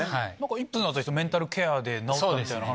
イップスになった人がメンタルケアで治ったみたいな。